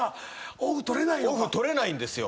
オフ取れないんですよ。